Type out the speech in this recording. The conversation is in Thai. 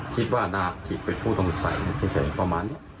คิดว่าอนาคตคงเป็นผู้ท่องสัยมันใช้ประมาณนี้